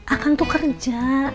akang tuh kerja